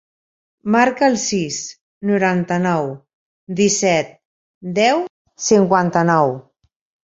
Marca el sis, noranta-nou, disset, deu, cinquanta-nou.